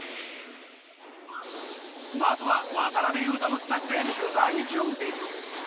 まずは渡邊雄太の自宅で取材準備。